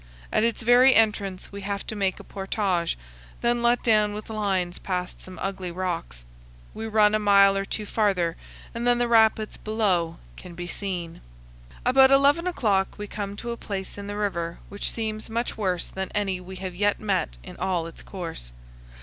At its very entrance we have to make a portage; then let down with lines past some ugly rocks. We run a mile or two farther, and then the rapids below can be seen. About eleven o'clock we come to a place in the river which seems much worse than any we have yet met in all its course.